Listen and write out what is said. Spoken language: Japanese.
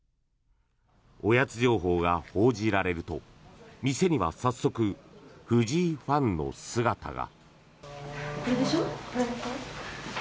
おやつ情報が報じられると店には早速、藤井ファンの姿が。